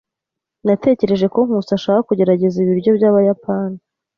Natekereje ko Nkusi ashaka kugerageza ibiryo byabayapani.